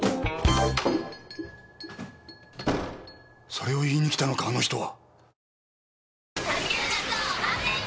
それを言いに来たのかあの人は。